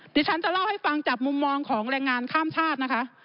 เดี๋ยวฉันจะเล่าให้ฟังจากมุมมองของแรงงานข้ามชาตินะคะ